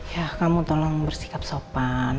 ya kamu tolong bersikap sopan